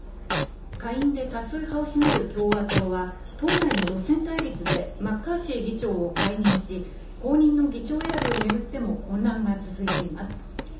下院で多数派を占める共和党は、党内の路線対立でマッカーシー議長を解任し、後任の議長選びを巡っても混乱が続いています。